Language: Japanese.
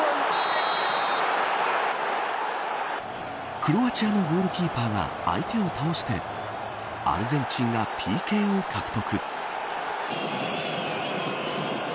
クロアチアのゴールキーパーが相手を倒してアルゼンチンがＰＫを獲得。